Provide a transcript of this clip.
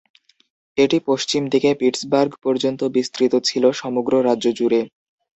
এটি পশ্চিম দিকে পিটসবার্গ পর্যন্ত বিস্তৃত ছিল; সমগ্র রাজ্য জুড়ে।